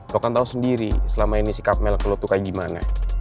lo kan tau sendiri selama ini sikap mel ke lo tuh kayak gimana